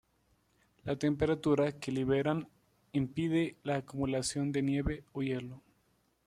La temperatura que liberan impide la acumulación de nieve o hielo.